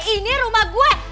ini rumah gue